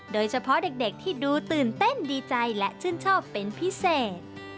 โดยเฉพาะเด็กที่ดูตื่นเต้นดีใจและชื่นชอบเป็นพิเศษ